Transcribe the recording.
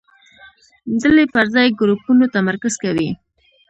ډلې پر ځای ګروپونو تمرکز کوي.